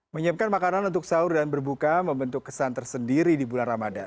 menyiapkan makanan untuk sahur dan berbuka membentuk kesan tersendiri di bulan ramadan